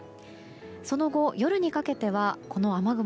その後、夜にかけてはこの雨雲